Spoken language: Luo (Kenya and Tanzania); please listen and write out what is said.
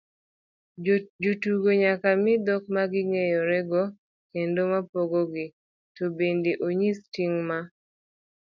jotugo nyaka mi dhok maging'eyorego kendo mapogogi, to bende onyis ting' ma